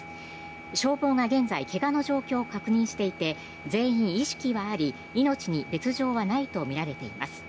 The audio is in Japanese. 消防が現在怪我の状況を確認していて全員意識はあり命に別条はないとみられています。